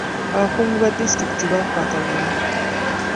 Abakungu ba disitulikiti bakwatagana.